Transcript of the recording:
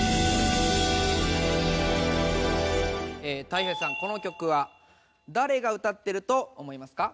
たい平さんこの曲は誰が歌ってると思いますか？